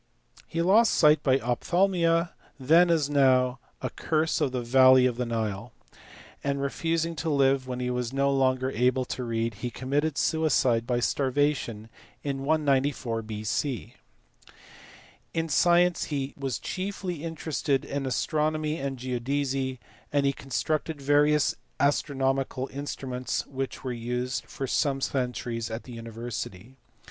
He lost his sight by ophthalmia, then as now a curse of the valley of the Nile, and, refusing to live when he was no longer able to read, he committed suicide by starvation in 194 B.C. In science he was chiefly interested in astronomy and geodesy, and he constructed various astronomical instruments which were used for some centuries at the university.